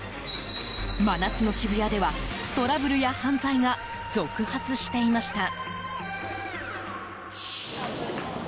真夏の渋谷ではトラブルや犯罪が続発していました。